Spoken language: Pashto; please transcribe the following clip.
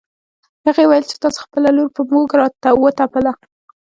هغې ويل چې تاسو خپله لور په موږ راوتپله